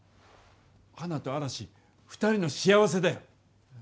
花と嵐、２人の幸せだよ！